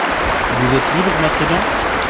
Vous êtes libre maintenant ?